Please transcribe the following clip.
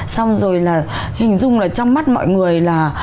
xong rồi là hình dung là trong mắt mọi người là